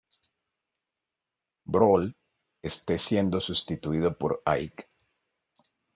Brawl, este siendo sustituido por Ike.